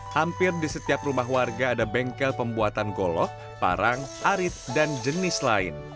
hampir di setiap rumah warga ada bengkel pembuatan golok parang arit dan jenis lain